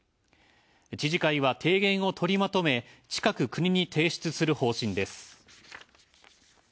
知事会は提言を取りまとめ近く国に提出する方針です。